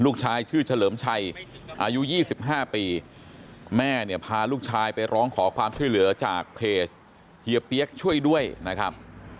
ลูกชายชื่อเฉลิมชัยอายุ๒๕ปีแม่เนี่ยพาลูกชายไปร้องขอความช่วยเหลือจากเพจเฮียเปี๊ยกช่วยด้วยนะครับ